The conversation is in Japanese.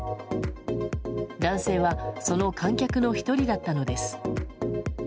男性はその観客の１人だったのです。